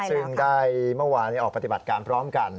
ซึ่งได้เมื่อวานออกปฏิบัติการพร้อมกัน